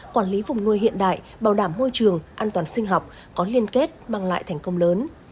quản lý vùng nuôi hiện đại bảo đảm môi trường an toàn sinh học có liên kết mang lại thành công lớn